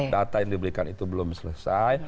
data yang diberikan itu belum selesai